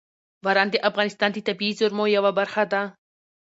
باران د افغانستان د طبیعي زیرمو یوه برخه ده.